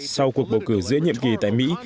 sau cuộc bầu cử giữa nhiệm kỳ tại mỹ